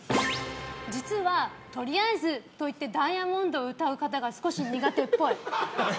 実はとりあえずと言って「Ｄｉａｍｏｎｄｓ」を歌う方が少し苦手っぽい。